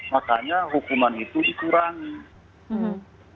makanya hukuman itu dikurangi